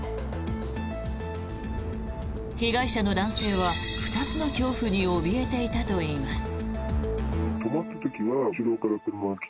被害者の男性は２つの恐怖におびえていたといいます。